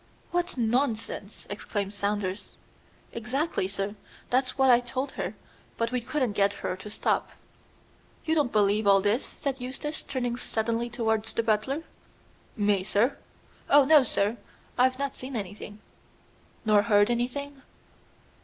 "What nonsense!" exclaimed Saunders. "Exactly, sir; that's what I told her; but we couldn't get her to stop." "You don't believe all this?" said Eustace, turning suddenly towards the butler. "Me, sir? Oh, no, sir! I've not seen anything." "Nor heard anything?"